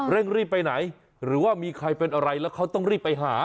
รีบไปไหนหรือว่ามีใครเป็นอะไรแล้วเขาต้องรีบไปหา